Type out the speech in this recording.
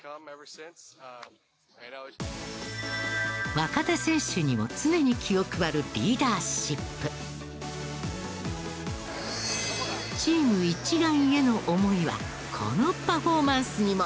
若手選手にも常に気を配るチーム一丸への思いはこのパフォーマンスにも。